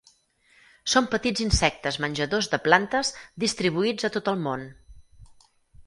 Són petits insectes menjadors de plantes distribuïts a tot el món.